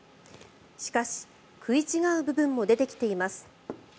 しかし食い違う部分も出てきています。